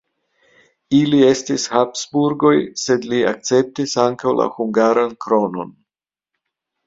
Ili estis Habsburgoj, sed li akceptis ankaŭ la hungaran kronon.